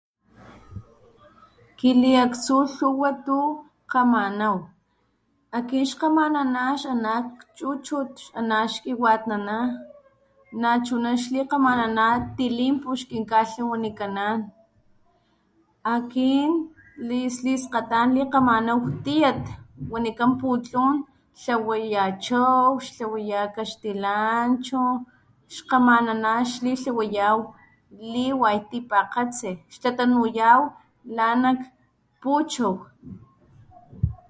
Kiliaktsu lhuwa tukgamanaw akin xkgamananaw xana nak chuchut xana xkiwatnanaw nachuna xlikgamanana tilinpu xkinkatlawanikanan akin xliskgatan likgamanaw tiyat wanikan putlun xtlawayaw chow, xtlawaya kaxtilanchuj, xkgamanaw xlitlawayaw liwat tipakgatsi xlatanuyaw lanak puchow.